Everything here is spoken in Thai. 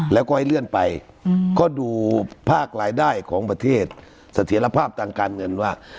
แล้วก็ให้เลื่อนไปก็ดูภาครายได้ของประเทศเสถียรภาพทางการเงินว่า